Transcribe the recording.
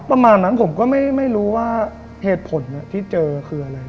ประมาณนั้นผมก็ไม่รู้ว่าเหตุผลที่เจอคืออะไร